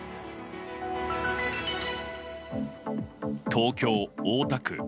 東京・大田区。